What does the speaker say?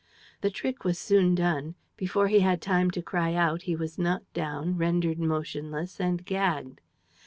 The trick was soon done. Before he had time to cry out, he was knocked down, rendered motionless and gagged.